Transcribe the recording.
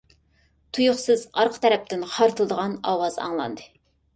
تۇيۇقسىز ئارقا تەرەپتىن خارتىلدىغان ئاۋاز ئاڭلاندى.